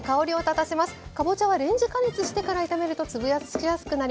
かぼちゃはレンジ加熱してから炒めるとつぶしやすくなります。